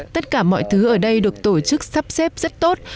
tất cả mọi thứ ở đây được tổ chức sắp xếp rất tốt